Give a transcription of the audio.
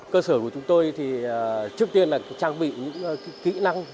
cơ sở của chúng tôi thì trước tiên là trang bị những kỹ năng